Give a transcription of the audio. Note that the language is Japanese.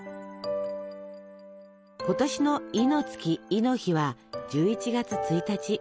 今年の亥の月亥の日は１１月１日。